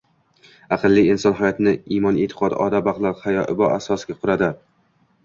Aqlli inson hayotini imon-e’tiqod, odob- axloq, hayo-ibo asosiga quradi.